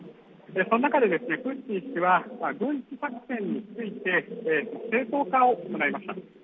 その中でプーチン氏は軍事作戦について、正当化を行いました。